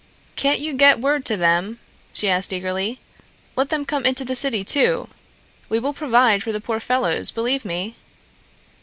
"Can't you get word to them?" she asked eagerly. "Let them come into the city, too. We will provide for the poor fellows, believe me."